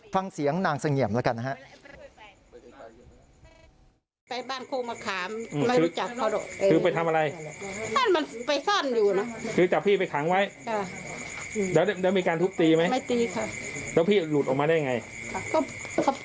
ฟังเสียงนางเสงี่ยมแล้วกันนะฮะ